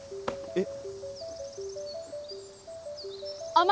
えっ？